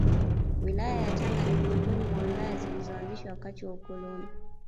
Wilaya yaTanga ni miongoni mwa Wilaya zilizoanzishwa wakati wa ukoloni